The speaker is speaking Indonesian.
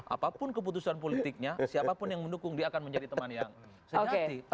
apapun keputusan politiknya siapapun yang mendukung dia akan menjadi teman yang sejati